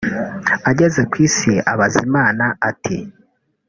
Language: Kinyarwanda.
Ageze ku isi abaza Imana ati